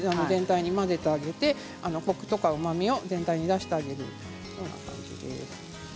全体に混ぜてあげてコクやうまみを全体に出してあげる。